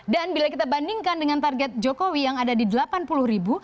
dan bila kita bandingkan dengan target jokowi yang ada di rp delapan puluh